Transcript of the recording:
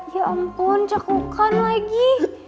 ya ampun cekukan lagi